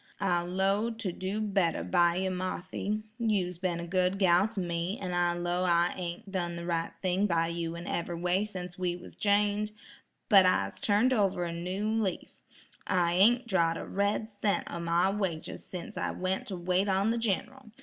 "I 'low to do better by yer, Marthy; you's ben a good gal to me, an' I 'low I ain't done the right thing by you in every way sence we was jined, but I'se turned over a new leaf; I ain't drawed a red cent o' my wages sence I went to wait on the Gin'ral.